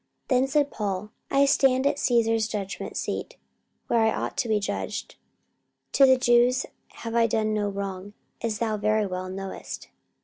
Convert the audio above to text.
44:025:010 Then said Paul, I stand at Caesar's judgment seat, where I ought to be judged: to the Jews have I done no wrong, as thou very well knowest.